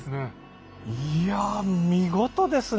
いや見事ですね。